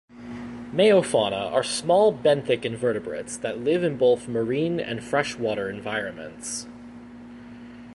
"Meiofauna" are small benthic invertebrates that live in both marine and fresh water environments.